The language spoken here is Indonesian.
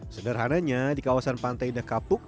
sederhananya di kawasan pantai nekapuk